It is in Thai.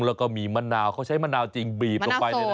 แล้วก็มีมะนาวเขาใช้มะนาวจริงบีบลงไปเลยนะ